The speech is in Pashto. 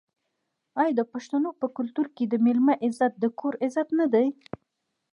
آیا د پښتنو په کلتور کې د میلمه عزت د کور عزت نه دی؟